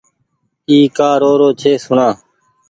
اي ڪآ رو رو ڇي سوڻآ